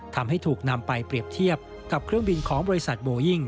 ทำให้ถูกนำไปเปรียบเทียบกับเครื่องบินของบริษัทโบยิ่ง